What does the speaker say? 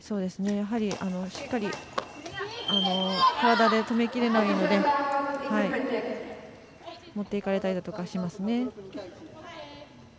やはり、しっかり体で止めきれないので持っていかれたりだとかします。